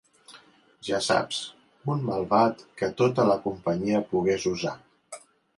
Ja saps, un malvat que tota la companyia pogués usar.